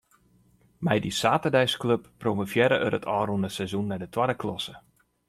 Mei dy saterdeisklup promovearre er it ôfrûne seizoen nei de twadde klasse.